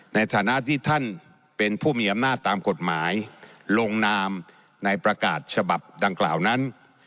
ในฐานะที่ท่านเป็นผู้มีอำนาจตามกฎหมายลงนามในประกาศฉบับดังกล่าวนั้น